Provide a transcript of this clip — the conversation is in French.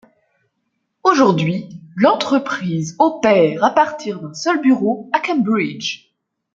Aujourd'hui, l'entreprise opère à partir d'un seul bureau à Cambridge.